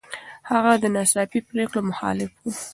هغه د ناڅاپي پرېکړو مخالف و.